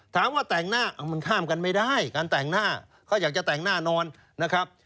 ถามว่าแต่งหน้ามันข้ามกันไม่ได้การแต่งหน้าเขาอยากจะแต่งหน้านอนนะครับ